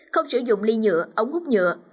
không sử dụng ly nhựa ống hút nhựa